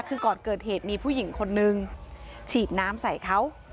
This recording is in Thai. คือก่อนเกิดเหตุมีผู้หญิงคนนึงฉีดน้ำใส่เขา